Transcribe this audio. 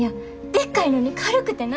でっかいのに軽くてな。